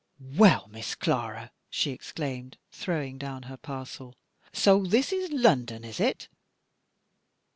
"Well, Miss Clara," she exclaimed, throwing down her parcel, "so this is London, is it?"